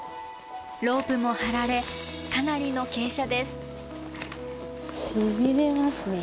ロープも張られかなりの傾斜です。